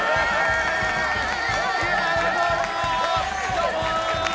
どうも！